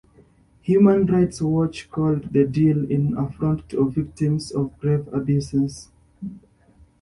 Human Rights Watch called the deal "an affront to victims of grave abuses".